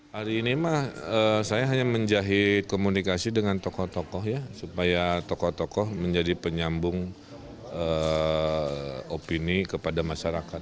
hari ini mah saya hanya menjahit komunikasi dengan tokoh tokoh ya supaya tokoh tokoh menjadi penyambung opini kepada masyarakat